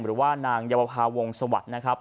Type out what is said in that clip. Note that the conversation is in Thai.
หรือนางยัวภาวงสวรรค์นะครับ